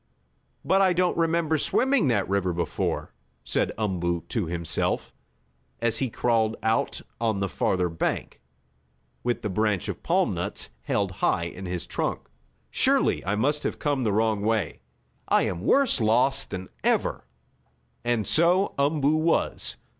"But I don't remember swimming that river before," said Umboo to himself, as he crawled out on the farther bank, with the branch of palm nuts held high in his trunk. "Surely I must have come the wrong way. I am worse lost than ever!" And so Umboo was.